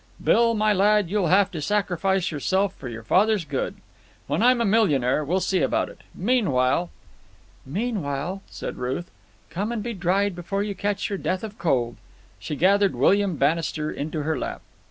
Bill, my lad, you'll have to sacrifice yourself for your father's good. When I'm a millionaire we'll see about it. Meanwhile—" "Meanwhile," said Ruth, "come and be dried before you catch your death of cold." She gathered William Bannister into her lap.